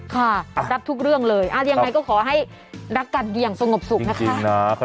ค่ะรับทุกเรื่องเลยยังไงก็ขอให้รักกันอย่างสงบสุขนะคะ